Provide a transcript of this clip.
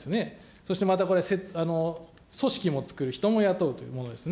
そしてまたこれ、組織もつくる、人も雇うというものですね。